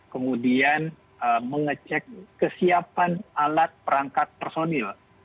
kemudian mengecek kesiapan alat perangkat personil